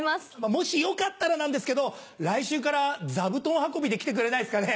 もしよかったらなんですけど来週から座布団運びで来てくれないですかね？